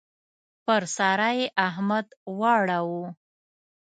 پر سارا يې احمد واړاوو.